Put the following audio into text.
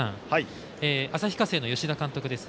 旭化成の吉田監督です。